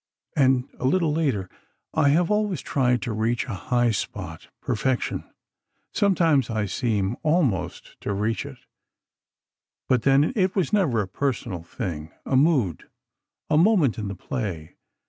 And a little later: "I have always honestly tried to reach a high spot—perfection. Sometimes I seem—almost—to reach it. But then it was never a personal thing—a mood—a moment in the play....